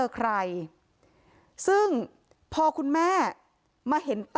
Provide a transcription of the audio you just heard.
ครับ